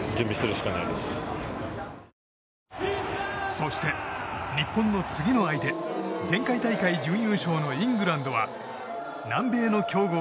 そして、日本の次の相手前回大会準優勝のイングランドは南米の強豪